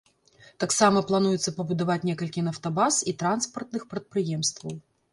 Таксама плануецца пабудаваць некалькі нафтабаз і транспартных прадпрыемстваў.